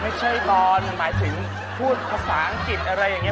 ตอนหมายถึงพูดภาษาอังกฤษอะไรอย่างนี้